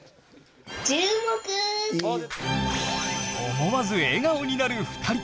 思わず笑顔になる２人。